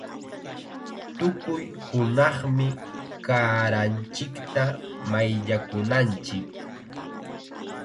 Tukuy hunaqmi kaaranchikta mayllakunanchik.